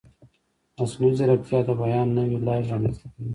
مصنوعي ځیرکتیا د بیان نوې لارې رامنځته کوي.